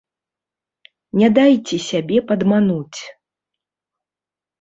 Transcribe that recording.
Не дайце сябе падмануць.